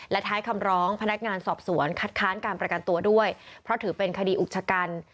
และท้ายคำร้องพนักงานสอบสวนคัดค้านการประกันตัวด้วยเพราะถือเป็นคดีอุกชะกัน